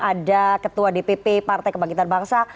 ada ketua dpp partai kebangkitan bangsa